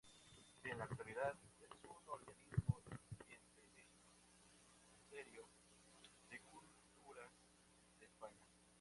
En la actualidad es un organismo dependiente del Ministerio de Cultura de España.